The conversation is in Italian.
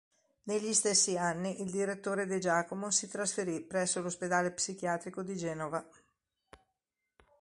Negli stessi anni il direttore "de Giacomo" si trasferì presso l'ospedale psichiatrico di Genova.